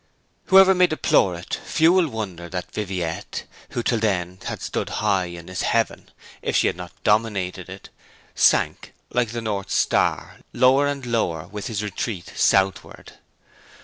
Whoever may deplore it few will wonder that Viviette, who till then had stood high in his heaven, if she had not dominated it, sank, like the North Star, lower and lower with his retreat southward.